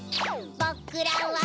ぼくらは